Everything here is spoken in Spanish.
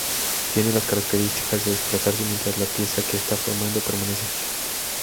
Tiene la característica de desplazarse mientras la pieza que está formando permanece fija.